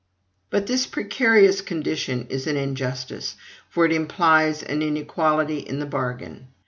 But this precarious condition is an injustice, for it implies an inequality in the bargain.